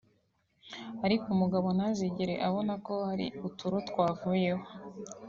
ariko umugabo ntazigere abona ko hari uturo twavuyeho